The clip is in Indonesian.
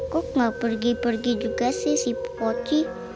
kok gak pergi pergi juga sih si pococi